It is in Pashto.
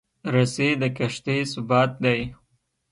رسۍ د کښتۍ ثبات دی.